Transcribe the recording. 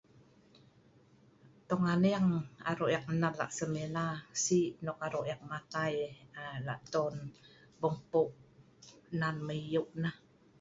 Tong aneng aro' ek nap lah' sem ina si nok aro' ek matei aaa lah' ton bukpeu' nan mai yeu' nah.